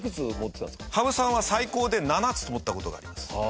羽生さんは最高で７つ持った事があります。